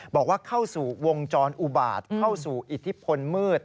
บอกว่าเข้าสู่วงจรอุบาตเข้าสู่อิทธิพลมืด